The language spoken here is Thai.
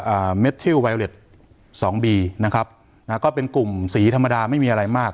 เม็ดทิลไวเล็ตสองบีนะครับนะฮะก็เป็นกลุ่มสีธรรมดาไม่มีอะไรมาก